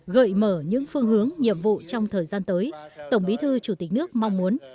gợi mở những phương hướng nhiệm vụ trong thời gian tới tổng bí thư chủ tịch nước mong muốn